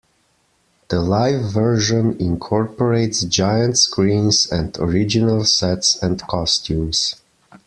The live version incorporates giant screens and original sets and costumes.